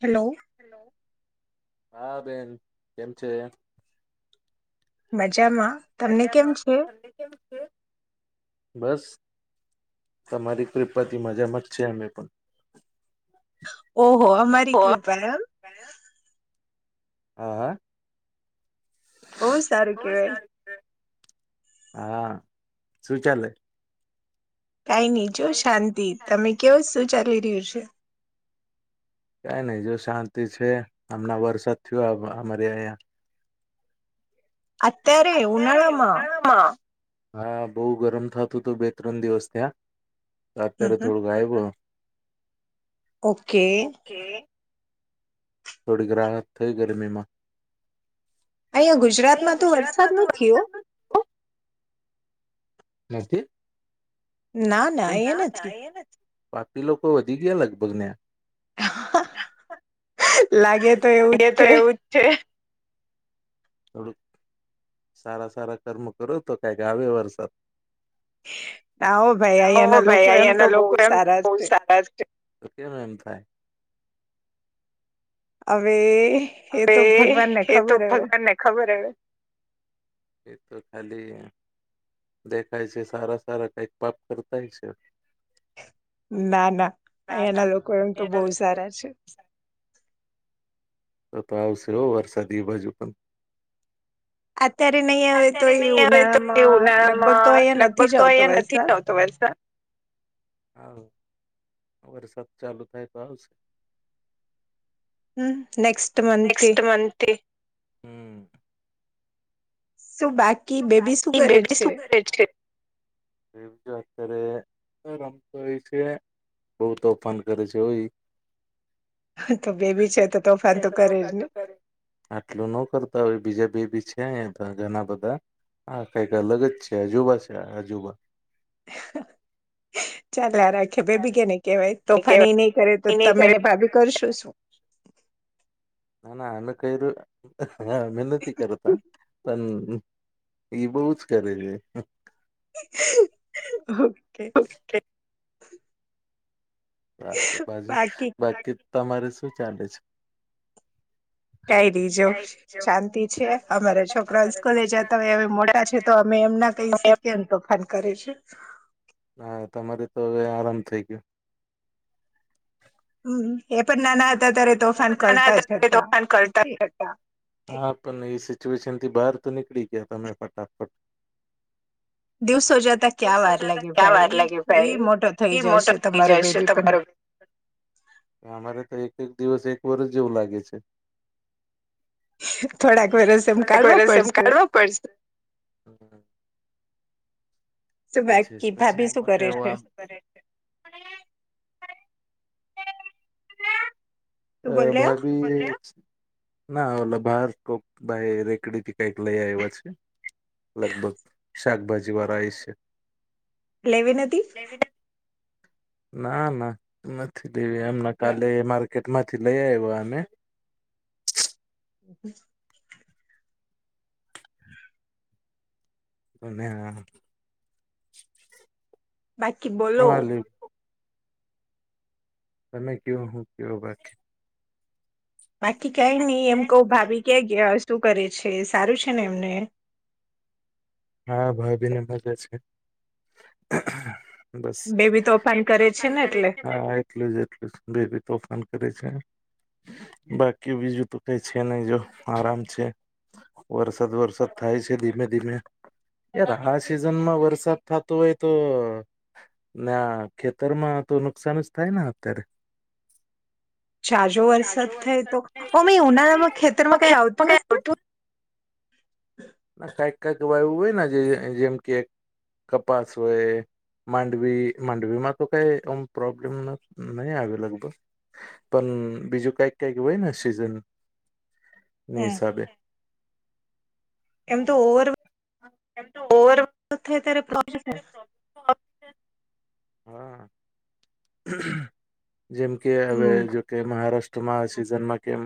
Hello. હા બેન કેમ છે? [unintelligible] [inaudible] તમને કેમ છે બસ તમારી કૃપાતિ મજામાં જ છે અમે પણ. ઓહો અમારી કૃપા એમ. હા, હા. બહુ સારું કેવાય. હા શું ચાલે? કઈ ની જો શાંતિ તમે કેવ શું ચાલી રહ્યું છે કઈ નહી જો શાંતિ છે હમણાં વરસાદ થયો અમારે આયા અત્યારે ઉનાળામાં હા બહુ ગરમ થાતું તું હતું બે ત્રણ દિવસ ત્યાં હમ અત્યારે હમ થોડું ગાયબ ઓકે. થોડીક રાહત થઈ ગરમીમાં. અહીંયા ગુજરાતમાં તો વરસાદ નથી હો નસ્તી ના ના અયા નથી બાકી લોકો વધી ગયા લગભગ ને લાગે તો એવું જ લાગે તો છે એવું જ છે. થોડુંક સારા સારા કર્મ કરો તો કઈ ક આવે વરસાદ. આવો ભાઈ હો અયા ના ભાઈ લોકો એમ તો અહિયાંના બહુ લોકો એમ તો સારા બહુ છે સારા છે. તો કેમ એમ થાય? અવે હવે એ તો ભગવાનને ખબર હવે તો ખાલી દેખાય છે. સારા સારા કંઈક પાપ કરતાય છે. ના ના અહિયાના લોકો એમ તો બો એના લીધે સારા છે. તો તો આવશે હો વરસાદ એ બાજુ પણ. અત્યારે નહી આવે તો અત્યારે એ નહી હવે તો ઉનાળામાં લગભગ તો ઉનાળામાં અહિયાં નથી લગભગ જ તો આવતો અહિયાં નથી જ વરસાદ આવતો વરસાદ. વરસાદ ચાલુ થાય તો આવશે. હમમ નેક્સ્ટ મથ થી. હમમ શું બાકી બેબી શું કરે છે? એ જો અત્યારે રમતો હોય છે બો તોફાન કરે છે હોય. તો બેબી છે તો તોફાન તો કરે જ ને આટલું ન કરતા હોય બીજા બે. છે ઘણા બધા હા કઈક અલગ જ છે અજુબા છે અજુબા. ચાલ આ રાખે ભે ભી કેને કેવાય. તોફાની નહી કરે તો તમે ને ભાભી કરશો શું? ના ના એનું કયરુ હા મહેનતી કરતા હ પણ ઈ બો જ કરે છે. ઓકે. છે [unintelligible] બાકી તમારે શું ચાલે છે? કઈ ની જો શાંતિ છે. અમારા છોકરા સ્કૂલે જતા હોય હવે મોટા છે તો અમે એમના કઈસકએ ને તોફાન કરે છે. [inaudible] હા તમારે તો હવે આરામ થઇ ગયો. હમ એપન નાના હતા ત્યારે એ તોફાન પણ નાના કરતા હતા જ ત્યારે તોફાન કરતા ઓકે જ હતા. હા પણ એ સિચ્યુએશન થી બહાર તો નીકળી ગયા તમે ફટાફટ. દિવસો જતા ક્યાં દસો વાર જતા લાગે ક્યાં વાર લાગે એ ભાઈ મોટો થઈ ઈ મોટો જશે પડી તમારો જાય છે બેબી પણ તમારો દિવસ એક વરસ જેવું લાગે છે. થોડાક વરસ એમ થોડાક કાઢવા વરસ એમ પડશે. કાઢવા પડશે. હમ શું તો છે જ બાકી ભાભી પછી શું કરે છે આમ તું અ બોલ્યો ભાવ ના ઓલો બાર તોક ભાઈ રેકડીથી કઈક લઈ આયવા છે લગભગ શાકભાજી વાળા એ છે. લેવી નથી. એવી ના ના નથ નથી દેવી અમના કાલે માર્કેટ માંથી લઈ આવ્યા અમે. [inaudible] [unintelligible] હા બાકી બોલો લ તમે કયો હું કયો બાકી બાકી કઈ નઈ એમ કવ ભાભી ક્યાં ગશ શું કરે છે? સારું છે ને એમને હા ભાભીને મજા છે. બસ બેબી તોફાન કરે છે ને એટલે હા એટલું જ એટલું બેબી તોફાન કરે છે બાકી બીજું તો કઈ છે નઈ જો આરામ છે વરસાદ વરસાદ થાય છે ધીમે ધીમે યાર આ સિઝનમાં વરસાદ થતો હોય તો ના ખેતરમાં તો નુકસાન જ થાય ને અત્યારે જાજો વરસાદ ઝાઝો થાય તો અમે ઉનાળામાં થાય ખેતરમાં કઈ કઈક આવતું હશે [unintelligible] હોય ને જે જેમ કે કપાસ હોય માંડવી માંડવીમાં તો કઈ અમ પ્રોબ્લેમ નહી આવે લગભગ પણ બીજું કઈક કઈક હોયને સીઝન હમ્મ એમ તો ઓવર એમ ઓવર [unintelligible] હા. [inaudible] જેમ કે હવે હમ જોકે મહારાષ્ટ્ર માં સિઝનમાં કેમ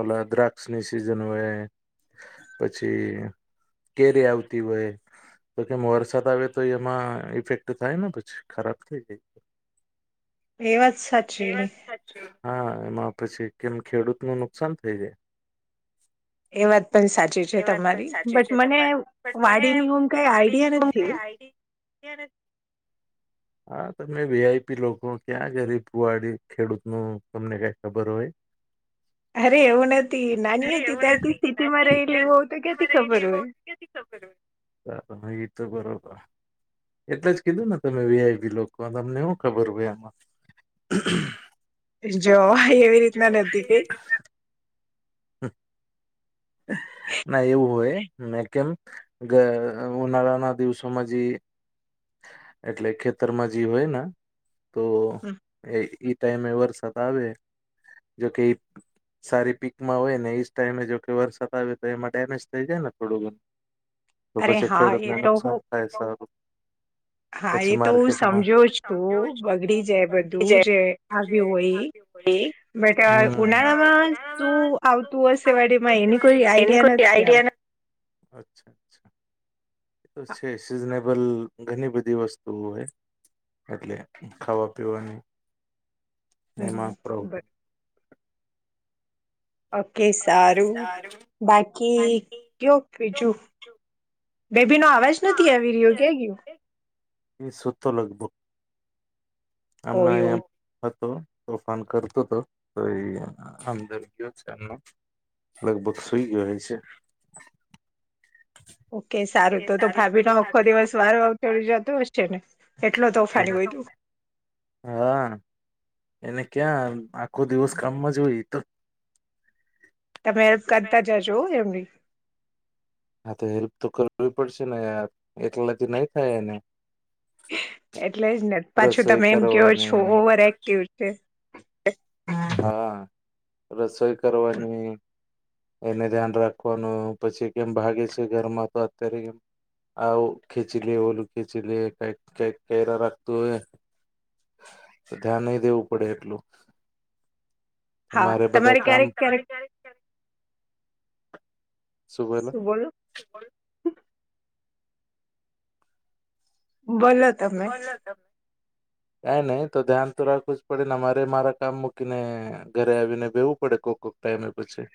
ઓલા દ્રાક્ષની સિઝન હોય પછી કેરી આવતી હોય તો કેમ વરસાદ આવે તો એમાં ઇફેક્ટ થાય ને પછી ખરાબ થઈ જાય. એ વાત સાચી [inaudible] હા એમાં પછી કેમ ખેડૂત નું નુકસાન થઈ જાય. એ વાત પણ સાચી છે એ વાત પણ તમારી સાચી બટ છે મને તમારી બટ મને વાડીની હમ કઈ વાડીની આઈડિયા પણ નથી કઈ આઈડી હા તમે વીઆઈપી લોકો ક્યાં ગરીબ [unintelligible] ખેડૂત નું તમને કઈ ખબર હોય અરે એવું નથી નાની અરે હતી એવું ત્યારથી નથી સ્થિતિમાં રહેલી હોવ તો નાની ક્યાથી ખબર રહેલી એવું હોય. ક્યાંથી ખબર હોય. એ તો બરોબર એટલે જ કીધું ને તમે વીઆઈપી લોકો તમને શું ખબર હોય આમાં. જો એવી રીતના [unintelligible] [inaudible] ના એવું હોય મે કેમ ગ ઉનાળાના દિવસોમાં જે એટલે ખેતરમાં જે હોય ન તો [unintelligible] ટાઈમે વરસાદ આવે જોકે એ સારી પીકમાં હોય ને એજ ટાઈમે જોકે વરસાદ આવે તો એમાં ડેમેજ થઈ જાય ને થોડું ઘણું તો અરે પછી હા ખેડૂતને એ તો નુકસાન હું થાય સારું હા એ પછી તો હું માર્કેટમાં સમજો જ તું સમજ્યો છું બગડી જાય બગડી બધું જાય જે છે આવ્યું કોઈ હોય બટ ઉનાળામાં શું આવતું હશેવાડીમાં એની કોઈ એની આઈડિયા કોઈ નથી આમ. આઈડિયા અચ્છા એ તો છે સિઝનેબલ ઘણી બધી વસ્તુ હોય એટલે ખાવા પીવાની હમ એમાં બ. પ્રોબ્લેમ ઓકે સારું બાકી કયો બીજું બેબી નો અવાજ નથી એ આવી રહ્યો ક ગયું. ઓ આમણા એવું હતો તોફાન કરતો હતો તો એ અંદર ગયો છે એનો લગભગ સુઈ ગયો હો છે ઓકે સારું તો તો ભાભીનો આખો દિવસ વારો અવતડી જતો હશે ને એટલો તોફાની હોય તું. હા એને ક્યાં આખો દિવસ કામમાં જ હોય તો. તમે હેલ્પ કરતા હા જજો એમની. હા તો હેલ્પ તો કરવી પડશે ને યાર એટલાધ નહી થાયને. એટલે જ ને પાછું રસોઈ તમે એમ કેયો છો કરવાની ઓવર એક્ટિવ છે. હા રસોઈ હમ, કરવાની એને ધ્યાન રાખવાનું પછી કેમ ભાગે છે ઘરમાં તો અત્યારેમ આવું ખેચી લે ઓલું ખેચી લે કક કક કેરા રાખતું હોય ધ્યાન નહી દેવું પડે એટલું હા મારે બધા તમારે કામ ક્યારેક ક્યારેક સુભલા શું બોલો બોલો તમે કઈ નહી તો ધ્યાન તો રાખવું જ પડે ને અમારે મારા કામ મૂકીને ઘરે આવીને બેેવું પડે કોક કોક ટાઈમે પછી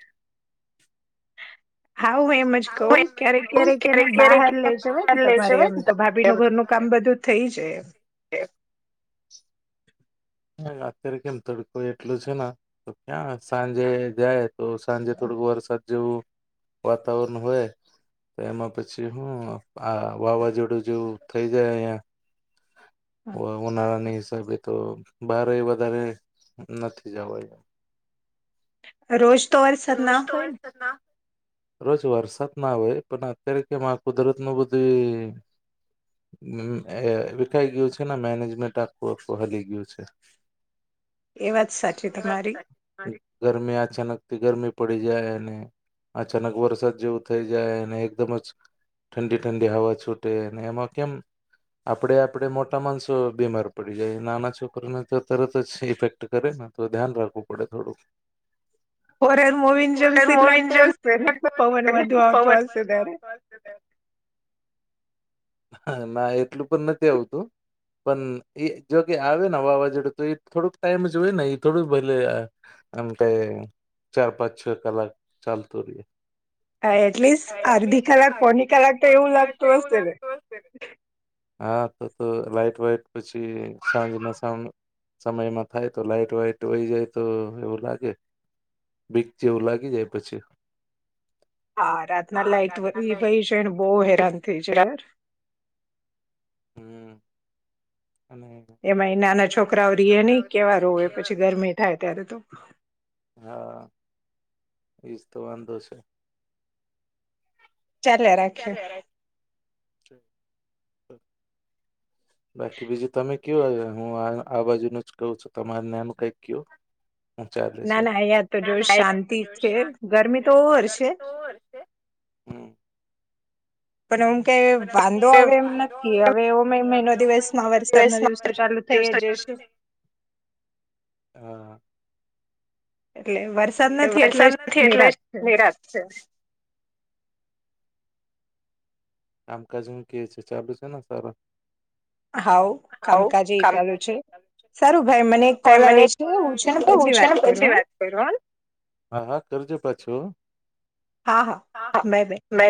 હા હું એમ જ હા કહું એમ જ ક્યારેક કઉ ક્યારેક એને ક્યારેક બહાર એને લઇ જવા ને બહાર લઈ તમારે જવાય એમ ને તો તમારે એમ ભાભીનું કે. ઘરનું કામ બધું થઇ જાય એમ હ અત્યારે કેમ તડકોું એટલોું છે ને તો ક્યાં સાંજે જાય તો સાંજે થોડકું વરસાદ જેવું વાતાવરણ હોય તો એમાં પછી હું આ વાવાઝોડું જેવું થઈ જાય અહિયાં હા, ઉનાળાની હિસાબે તો બારે એ વધારે નથી જવા રોજ તોર સર ના તો હોય ને વરસાદમાં રોજ વરસાદ ના હોય પણ અત્યારે કેમ આ કુદરત નું બધું વખાઈ ગયું છે ને મેનેજમેન્ટ આખું આખું હલી ગયું છે ને એ વાત સાચી તમારી ગરમિયા અચાનક ગરમી પડી જાય અને અચાનક વરસાદ જેવું થઈ જાય અને એકદમ જ ઠંડી ઠંડી હવા છૂટે એમાં કેમ આપણે આપણે મોટા માણસો બીમાર પડી જાય નાના છોકરીને તો તરત જ ઇફેક્ટ કરે ને તો ધ્યાન રાખવું પડે થોડુંક હોરાર મોવીિન ફોરેન જમસીટ મૂવીની લાગતોું જેમ હશેને લાગતો પવન હશે ને વધુ આવતો પવન હશે બચવા ત્યારે આવતો હા ના એટલું પણ નથી આવતું પણ એ જોકે આવે ને વાવાઝોડું તો એ થોડુંક ટાઈમ જ હોય ને એ થોડું ભલે આમ કઈ ચાર પાંચ છ કલાક ચાલતું ર એટલીસ્ટ અડધી કલાક આજથી પોની કલાક ખરાબ તો કોની એવું ખરાબ તો લાગતું એવું હશે ને લાગતું હશે હ હા તો તો લાાઈટ વાઈટ પછી સાંજ ના સાં સમયમાં થાય તો લાાઈટ વાઈટ વય જાય તો એવું લાગે બીક જેવું લાગી જાય પછી હા રાતના લાઈટધી ભઈ છેને બો હેરાન થઈ જાય યાર. હમમ એમાં ઈ નાના છોકરાઓ રહીએ ની કેવા રોવે પછી ગરમી થાય ત્યારે તો હા એજ તો વાંધો છે. ચાલે રાખ્યે હ અ બાકી બીજું તમે કીઓ હું આ બાજુ નું જ કહું છું તમારુ નામ કઈક કિહો. ના ના અહીંયા તો જો નાના અહીંયા તો શાંતિ જો છે શાંતિ ગરમી તો છે, ઓવર છે ગરમી તો ઓવર છે. પણ હમ કે વાંધો પણ આવે કે એમ વાંધો નથી, આવે એમ હવે એવ નથી મહિનો હવે એવો દિવસમાં મહિનો વરસાદ ના દિવસમાં દિવસો વરસાદ ચાલુ દિવસ થઈ જશે. એટલે વરસાદ એટલે નથી વરસાદ નથી, એટલે નિરાત છે નિરાશ છે. કામકાજ નું કેવું છે? ચાલુ છે ને સારું? હાવ હોવ કામકાજે ચાલુ કામકાજ એ છે સારું છે સારું ભાઈ મને સારું એક કોલ ભાઈ મને આવે એક છે કોલ હું આવે છે ને હું પછી છે વાત ને કરું પછી હં? વાત કરુ હા. હા કરજો પછી છું હા હા બાય બાય મે